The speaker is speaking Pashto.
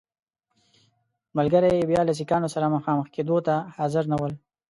ملګري یې بیا له سیکهانو سره مخامخ کېدو ته حاضر نه ول.